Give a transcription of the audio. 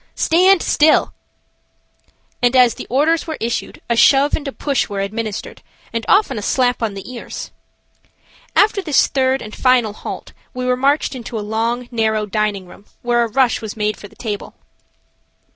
"Stand still," and, as the orders were issued, a shove and a push were administered, and often a slap on the ears. After this third and final halt, we were marched into a long, narrow dining room, where a rush was made for the table.